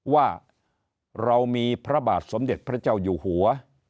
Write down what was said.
ว่าเรามีพระบาทสมเด็จพระเจ้าอยู่หัว